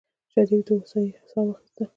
شريف د هوسايۍ سا واخيستله.